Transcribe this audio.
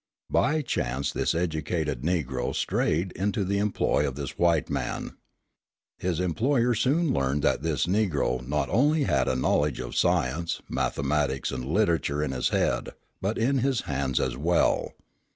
By chance this educated Negro strayed into the employ of this white man. His employer soon learned that this Negro not only had a knowledge of science, mathematics, and literature in his head, but in his hands as well.